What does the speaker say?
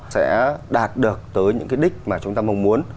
sẽ đạt được tới những cái đích mà chúng ta mong muốn